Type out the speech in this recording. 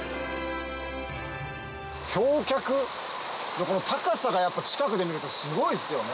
橋脚の高さがやっぱ近くで見るとすごいっすよね。